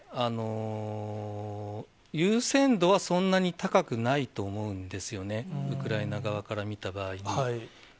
優先度はそんなに高くないと思うんですよね、ウクライナ側から見た場合に。